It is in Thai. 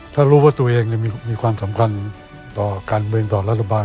ถ้ารู้ว่าตัวเองมีความสำคัญต่อการเมืองต่อรัฐบาล